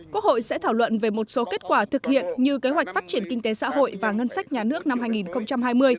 quốc hội sẽ thảo luận về một số kết quả thực hiện như kế hoạch phát triển kinh tế xã hội và ngân sách nhà nước năm hai nghìn hai mươi